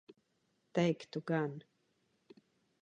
Teiktu gan.